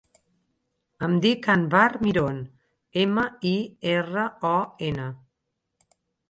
Em dic Anwar Miron: ema, i, erra, o, ena.